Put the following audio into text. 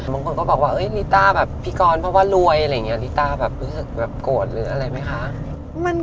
มีคนบอกว่าลิต้าพี่กรเพราะว่ารวยแบบโกรธอะไรมั้ยคะ